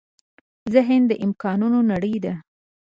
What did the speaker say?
ذهن د امکانونو نړۍ ده.